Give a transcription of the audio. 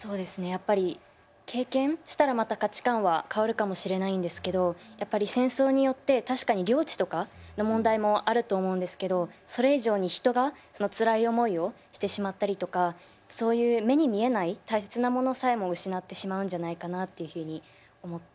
やっぱり経験したらまた価値観は変わるかもしれないんですけどやっぱり戦争によって確かに領地とかの問題もあると思うんですけどそれ以上に人がつらい思いをしてしまったりとかそういう目に見えない大切なものさえも失ってしまうんじゃないかなというふうに思って。